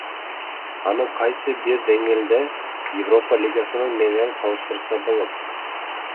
Аны кайсы бир деңгээлде Европа Лигасы менен салыштырса болот.